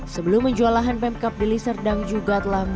sebelum menjual lahan pemkap deli serdang juga telah menutup